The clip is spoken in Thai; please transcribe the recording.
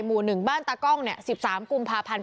หมู่๑บ้านตากล้อง๑๓กุมภาพันธ์